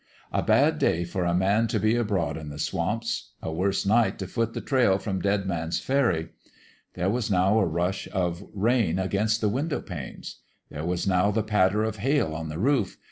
A bad day for a man t' be abroad in the swamps : a worse night t' foot the trail from Dead Man's Ferry. There was now a rush of rain against the window panes ; there was now the patter of hail on the roof.